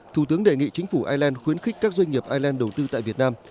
thủ tướng đề nghị chính phủ ireland khuyến khích các doanh nghiệp ireland đầu tư tại việt nam